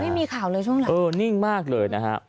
ไม่มีข่าวเลยช่วงหลังเออนิ่งมากเลยนะฮะ